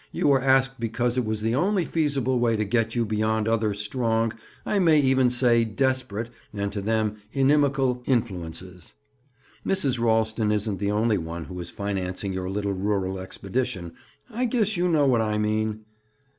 You were asked because it was the only feasible way to get you beyond other strong, I may even say desperate, and to them, inimical influences. Mrs. Ralston isn't the only one who is financing your little rural expedition. I guess you know what I mean?"